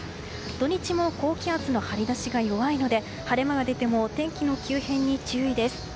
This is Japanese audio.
土日も高気圧の張り出しが弱いので晴れ間が出ても天気の急変に注意です。